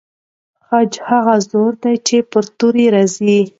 خج هغه زور دی چې پر توري راځي.